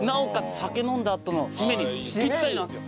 酒飲んだあとの締めにピッタリなんですよ。